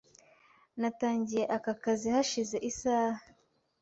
Natangiye aka kazi hashize isaha .